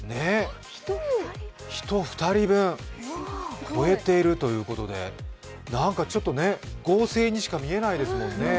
人２人分を超えているということでちょっと合成にしか見えないですもんね。